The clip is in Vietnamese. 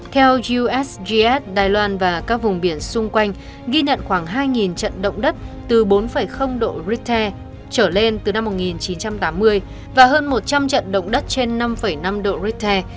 theo ussgs đài loan và các vùng biển xung quanh ghi nhận khoảng hai trận động đất từ bốn độ richter trở lên từ năm một nghìn chín trăm tám mươi và hơn một trăm linh trận động đất trên năm năm độ richter